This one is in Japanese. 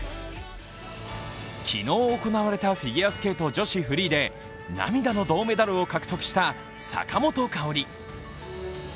昨日行われたフィギュアスケート女子フリーで涙の銅メダルを獲得した坂本花織。